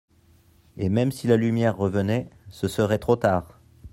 et même si la lumière revenait, ce serait trop tard.